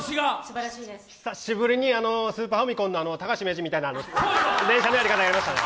久しぶりにスーパーファミコンの高橋名人みたいな連射のやり方をやりましたね。